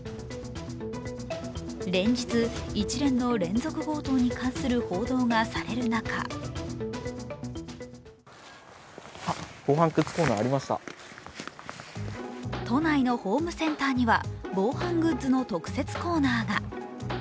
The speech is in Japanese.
連日、一連の連続強盗に関する報道がされる中防犯グッズコーナー、ありました都内のホームセンターには防犯グッズの特設コーナーが。